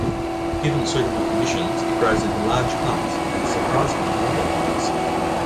Given suitable conditions it grows into large clumps and is surprisingly water wise.